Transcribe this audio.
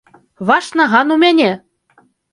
Ваш наган у мяне!